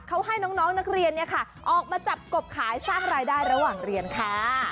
เขาให้น้องนักเรียนออกมาจับกบขายสร้างรายได้ระหว่างเรียนค่ะ